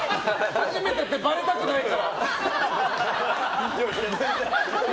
初めてってばれたくないから。